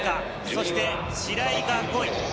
そして白井が５位。